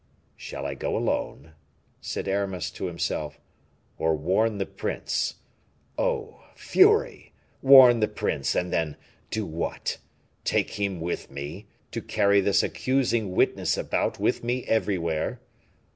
"Shall I go alone?" said Aramis to himself, "or warn the prince? Oh! fury! Warn the prince, and then do what? Take him with me? To carry this accusing witness about with me everywhere?